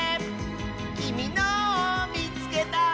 「きみのをみつけた！」